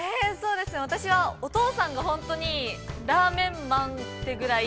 ◆私はお父さんが本当に、ラーメンマンってぐらい。